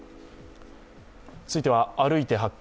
続いては「歩いて発見！